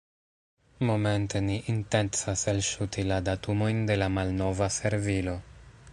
Momente ni intencas elŝuti la datumojn de la malnova servilo.